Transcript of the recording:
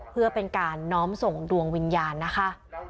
เพื่อเป็นการน้อมส่งดวงวิญญาณนะคะ